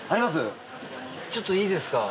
ちょっといいですか？